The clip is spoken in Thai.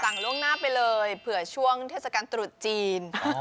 ล่วงหน้าไปเลยเผื่อช่วงเทศกาลตรุษจีน